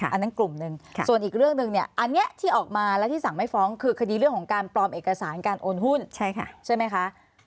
อันนั้นกลุ่มหนึ่งส่วนอีกเรื่องหนึ่งเนี่ยอันนี้ที่ออกมาและที่สั่งไม่ฟ้องคือคดีเรื่องของการปลอมเอกสารการโอนหุ้นใช่ไหมคะ